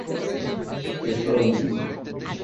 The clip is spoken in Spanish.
Es todo un pico".